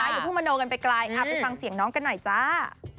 อย่าเพิ่งมโนกันไปไกลไปฟังเสียงน้องกันหน่อยจ้า